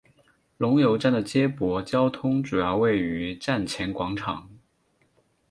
龙游站的接驳交通主要位于站前广场。